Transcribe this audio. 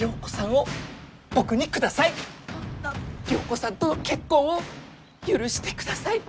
良子さんとの結婚を許してください！